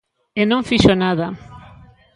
E non fixo nada.